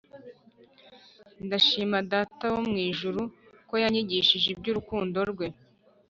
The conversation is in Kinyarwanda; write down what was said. ndashima data wo mu ijuru ko yanyigishishe iby’ urukundo rwe